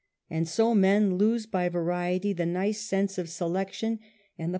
And so men lose by variety the nice sense of selection, and the PURE MANHOOD.